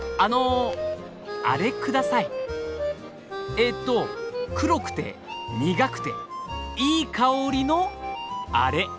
えっと黒くて苦くていい香りのアレ！